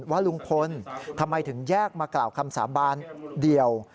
ว่าลุงพลทำไมถึงแยกมากล่าวคำสาบานเดียว